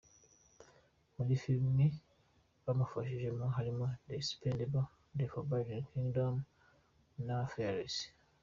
Muri filime yamufashijemo harimo The Expendables, The Forbidden Kingdom na Fearless.